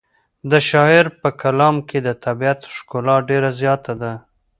د شاعر په کلام کې د طبیعت ښکلا ډېره زیاته ده.